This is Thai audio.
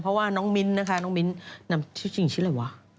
เพราะว่าโน้งมิ้นนะคะชื่ออะไรว่ะ